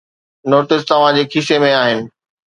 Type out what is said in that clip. Notes توهان جي کيسي ۾ آهن.